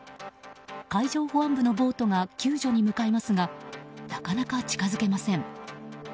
海上保安部のボートが救助に向かいますがなかなか近づけません。